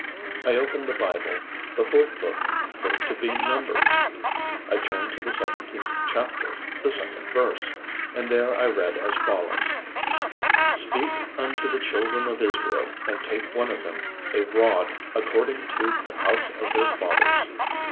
I opened the Bible. The fourth book proved to be "Numbers." I turned to the seventeenth chapter, the second verse. And there I read as follows: Speak unto the children of Israel and take one of them a rod according to the house of their fathers.